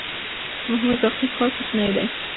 محمود راقي ښار کوچنی دی؟